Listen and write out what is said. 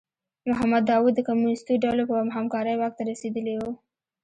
محمد داوود د کمونیستو ډلو په همکارۍ واک ته رسېدلی و.